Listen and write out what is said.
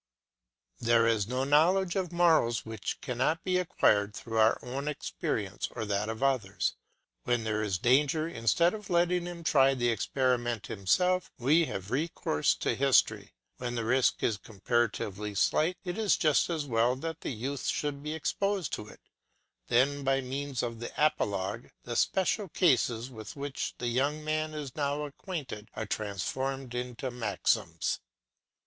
There is no knowledge of morals which cannot be acquired through our own experience or that of others. When there is danger, instead of letting him try the experiment himself, we have recourse to history. When the risk is comparatively slight, it is just as well that the youth should be exposed to it; then by means of the apologue the special cases with which the young man is now acquainted are transformed into maxims.